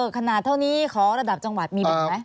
ขนาดเท่านี้ขอระดับจังหวัดมี๑ไหม